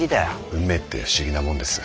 運命って不思議なもんです。